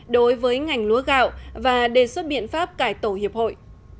đối với ngành lúa gạo và đề xuất biện pháp cải tổ hiệp hội